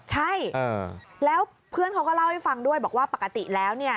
ใช่แล้วเพื่อนเขาก็เล่าให้ฟังด้วยบอกว่าปกติแล้วเนี่ย